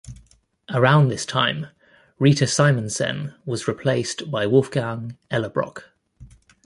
Around this time Rita Simonsen was replaced by Wolfgang Ellerbrock.